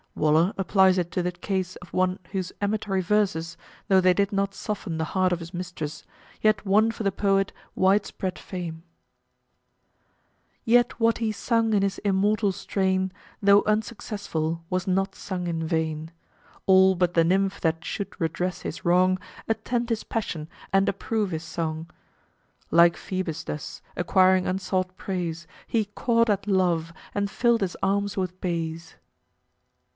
Waller applies it to the case of one whose amatory verses, though they did not soften the heart of his mistress, yet won for the poet wide spread fame: "Yet what he sung in his immortal strain, Though unsuccessful, was not sung in vain. All but the nymph that should redress his wrong, Attend his passion and approve his song. Like Phoebus thus, acquiring unsought praise, He caught at love and filled his arms with bays."